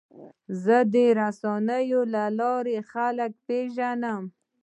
زه د رسنیو له لارې خلک پېژنم.